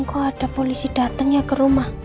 kok ada polisi datang ya ke rumah